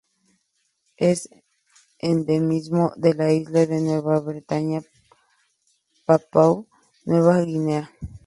Es Endemismo de la isla de Nueva Bretaña, Papúa Nueva Guinea.